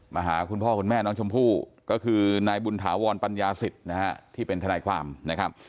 หาคุณพ่อคุณแม่น้องชมพู่ก็คือนายบุญถาวรปัญญาสิทธิ์นะฮะที่เป็นทนายความนะครับ